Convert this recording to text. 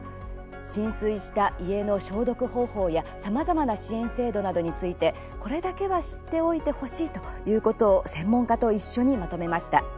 浸水した家の消毒方法やさまざまな支援制度などについてこれだけは知っておいてほしいことを専門家と一緒にまとめました。